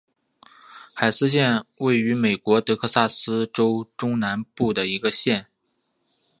海斯县位美国德克萨斯州中南部的一个县。